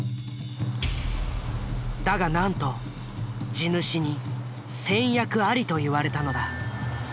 だがなんと地主に「先約あり」と言われたのだ。